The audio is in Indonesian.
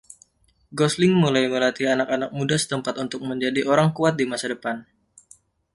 Gosling mulai melatih anak-anak muda setempat untuk menjadi orang kuat di masa depan.